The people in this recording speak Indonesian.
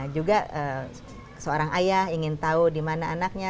juga seorang ayah ingin tahu dimana anaknya